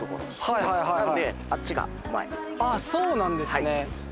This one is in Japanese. はいはいはいなのであっちが前ああそうなんですね